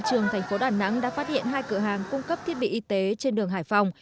trường thành phố đà nẵng đã phát hiện hai cửa hàng cung cấp thiết bị y tế trên đường hải phòng